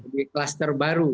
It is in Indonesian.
jadi kluster baru